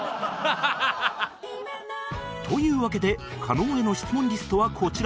というわけで加納への質問リストはこちら